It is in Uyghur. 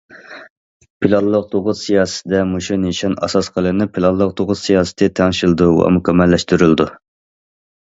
پىلانلىق تۇغۇت سىياسىتىدە مۇشۇ نىشان ئاساس قىلىنىپ، پىلانلىق تۇغۇت سىياسىتى تەڭشىلىدۇ ۋە مۇكەممەللەشتۈرۈلىدۇ.